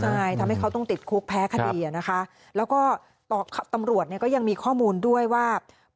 ซึ่งทำให้เขาต้องติดคุกแพ้คดีนะคะแล้วก็ต่อตำรวจก็ยังมีข้อมูลด้วยว่า